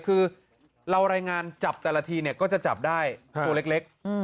คือเรารายงานจับแต่ละทีเนี่ยก็จะจับได้ตัวเล็ก